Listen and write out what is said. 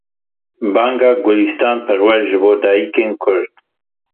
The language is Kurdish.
Banga Gulistan Perwer ji bo dayikên Kurd.